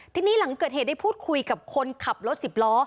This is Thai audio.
ทีนี้หลังเกิดเหตุได้พูดคุยกับคนขับรถสิบล้อ